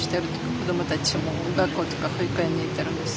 子どもたちも学校とか保育園に行ってるんです。